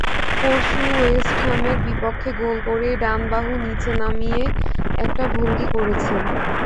পরশু ওয়েস্টহামের বিপক্ষে গোল করেই ডান বাহু নিচে নামিয়ে একটা ভঙ্গি করেছেন।